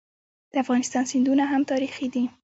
د افغانستان سیندونه هم تاریخي دي.